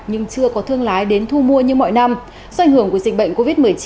nhưng chưa có thương lái đến thu mua như mọi năm do ảnh hưởng của dịch bệnh covid một mươi chín